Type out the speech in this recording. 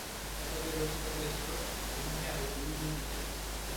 কথাটি রচিত হয়েছিল লিনিয়ার বি লিপিতে।